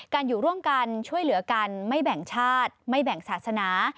อยู่ร่วมกันช่วยเหลือกันไม่แบ่งชาติไม่แบ่งศาสนา